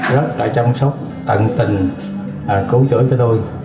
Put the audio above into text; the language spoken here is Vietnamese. rất là chăm sóc tận tình cứu chuỗi với tôi